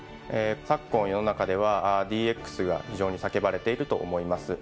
昨今世の中ではＤＸが非常に叫ばれていると思います。